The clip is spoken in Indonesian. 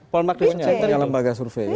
paul mark research center yang lembaga survei